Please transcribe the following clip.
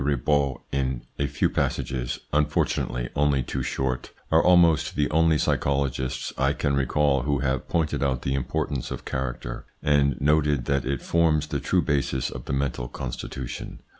Ribot in a few passages, unfortunately only too short, are almost the only psychologists I can recall who have pointed out the importance of character, and noted that it forms the true basis of the mental con stitution.